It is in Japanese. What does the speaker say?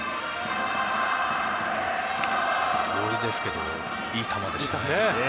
ボールですけどいい球でしたね。